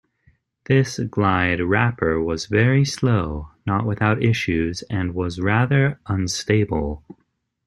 This Glide wrapper was very slow, not without issues, and was rather unstable.